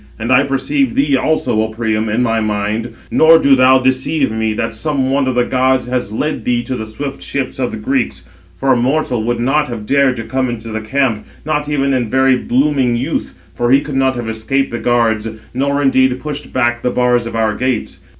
And I perceive thee also, O Priam, in my mind, nor do thou deceive me, that some one of the gods has led thee to the swift ships of the Greeks; for a mortal would not have dared to come into the camp, not even in very blooming youth, for he could not have escaped the guards, nor indeed pushed back the bars of our gates.